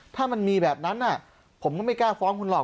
ถ้ามันมีแบบนั้นผมก็ไม่กล้าฟ้องคุณหรอก